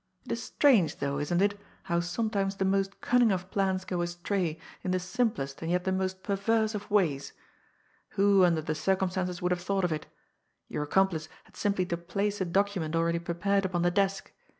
It is strange, though, isn't it, how sometimes the most cunning of plans go astray in the simplest and yet the most perverse of ways? Who, under the circumstances, would have thought of it! Your accomplice had simply to place a document already prepared upon the desk.